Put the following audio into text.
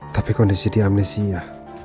tapi kondisi dia amnesia